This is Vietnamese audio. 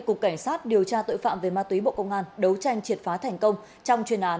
cục cảnh sát điều tra tội phạm về ma túy bộ công an đấu tranh triệt phá thành công trong chuyên án một trăm linh ba h